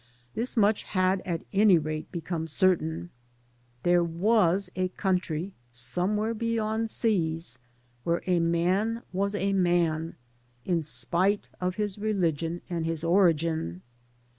This much had, at any rate, become certain. There was a country somewhere beyond seas where a man was a man in spite of his religion and his origin.